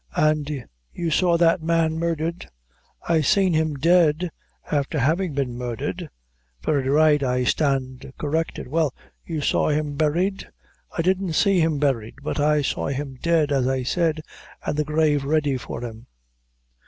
"And, you saw that man murdered?" "I seen him dead, afther having been murdhered." "Very right I stand corrected. Well, you saw him buried?" "I didn't see him buried, but I saw him dead, as I said, an' the grave ready for him."